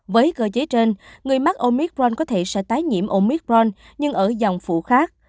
với cơ chế trên người mắc omicron có thể sẽ tái nhiễm omicron nhưng ở dòng phụ khác